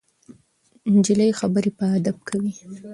نجلۍ خبرې په ادب کوي.